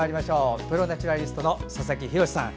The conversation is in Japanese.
プロ・ナチュラリストの佐々木洋さん。